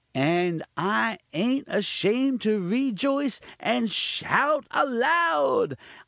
_ and I ain't ashamed to rejoice and shout aloud.